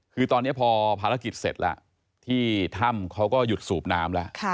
คือตอนนี้พอภารกิจเสร็จแล้วที่ถ้ำเขาก็หยุดสูบน้ำแล้ว